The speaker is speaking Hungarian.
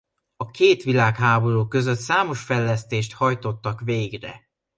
A két világháború között számos fejlesztést hajtottak végre.